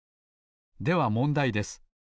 ではもんだいです。